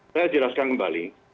saya jelaskan kembali